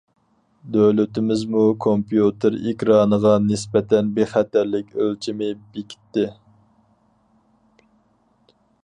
دۆلىتىمىزمۇ كومپيۇتېر ئېكرانىغا نىسبەتەن بىخەتەرلىك ئۆلچىمى بېكىتتى.